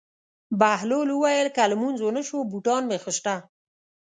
بهلول وویل: که لمونځ ونه شو بوټان خو مې شته.